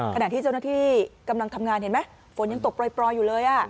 ขณะที่เจ้าหน้าที่กำลังทำงานเห็นไหมฝนยังตกปล่อยอยู่เลย